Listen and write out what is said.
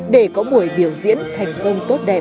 để có buổi biểu diễn thành công tốt đẹp